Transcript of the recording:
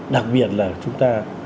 đặc biệt là chúng ta